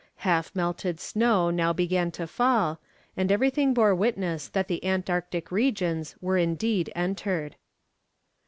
Half melted snow now began to fall, and everything bore witness that the Antarctic regions were indeed entered.